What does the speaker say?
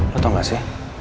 lo tau gak sih